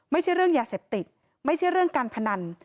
ไม่ใช่เรื่องยาเสพติดไม่ใช่เรื่องการพนัน